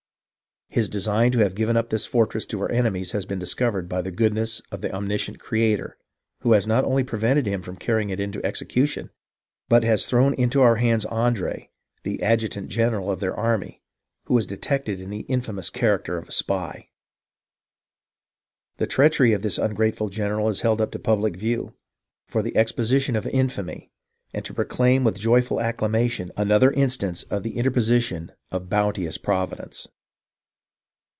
" His design to have given up this fortress to our enemies, has been discovered by the goodness of the Omniscient Creator, who has not only prevented him carrying it into execution, but has thrown into our hands Andre, the Adjutant general of their army, who was detected in the infamous character of a spy. " The treachery of this ungrateful general is held up to pub lic view, for the exposition of infamy, and to proclaim with joyful acclamation, another instance of the interposition of bounteous Providence.